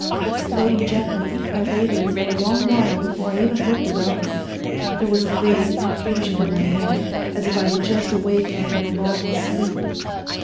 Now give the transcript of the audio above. Floating gently, I lay there for a long while before I even looked about me. There was a vague confusion in my head, as if I had just awakened from a long sleep.